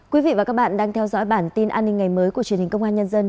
quý vị và các bạn đang theo dõi bản tin an ninh ngày mới của truyền hình công an nhân dân